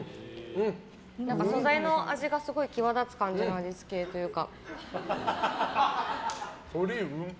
素材の味がすごく際立つ感じの味付けというか。